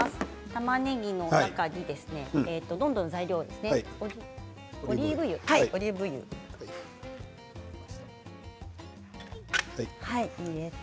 たまねぎの中に、どんどん材料オリーブ油。入れて。